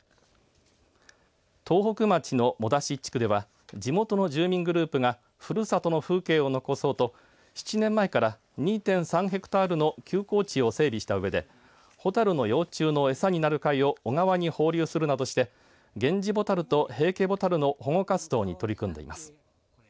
東北町の萠出地区では地元の住民グループがふるさとの風景を残そうと７年前から２．３ヘクタールの休耕地を整備したうえでホタルの幼虫の餌になる貝を小川に放流するなどしてゲンジボタルとヘイケボタルの保護活動に取り組んでいます。